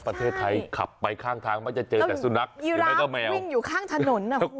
ประเทศไทยใช่ขับไปข้างทางมันจะเจอแต่สุนัขยียีราภท์วิงอยู่ข้างถนนหน่ะคุณ